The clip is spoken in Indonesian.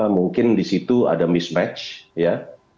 mungkin di situ ada mismatch ya